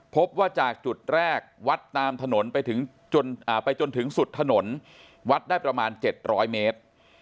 พบว่าจากจุดแรกวัดตามถนนไปจนถึงสุดถนนวัดได้ประมาณ๗๐๐เมตร